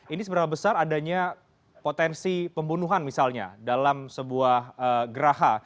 ini seberapa besar adanya potensi pembunuhan misalnya dalam sebuah geraha